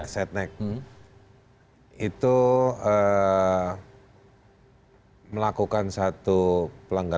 satu kayak pres tpf munir